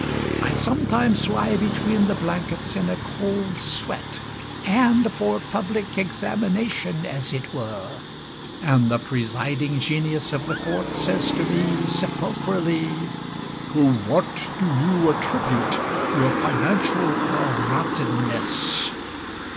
I sometimes lie Between the blankets In a cold sweat And for public examination as it were, And the presiding genius of the court Says to me, sepulchrally, "To what do you attribute your financial rottenness?"